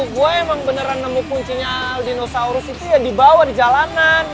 gue emang beneran nemu kuncinya aldinosaurus itu ya di bawah di jalanan